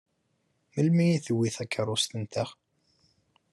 Melmi i tewwi takeṛṛust-nteɣ?